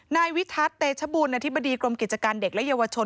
นายวิทัศน์เตชบูลอธิบดีกรมกิจการเด็กและเยาวชน